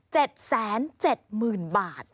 แสนเจ็ดหมื่นบาท